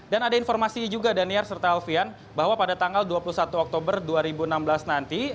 dan ada informasi juga dhaniar serta alfian bahwa pada tanggal dua puluh satu oktober dua ribu enam belas nanti